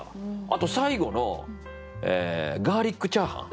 あと最後のガーリックチャーハン。